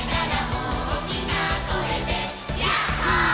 「おおきなこえでヤッホー」